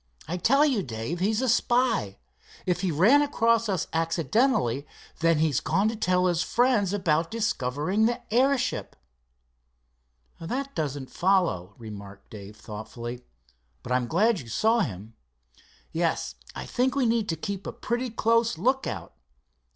I tell you, Dave, he's a spy. If he ran across us accidentally then he's gone to tell his friends about discovering the airship." "That doesn't follow," remarked Dave thoughtfully, "but I'm glad you saw him." "Yes, I think we need to keep a pretty close lookout.